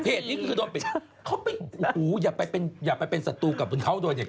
เพจนี้ก็คือโดนปิดอย่าไปเป็นศัตรูกับเขาด้วยเนี่ยค่ะ